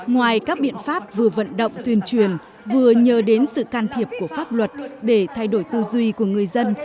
ngoài các biện pháp vừa vận động tuyên truyền vừa nhờ đến sự can thiệp của pháp luật để thay đổi tư duy của người dân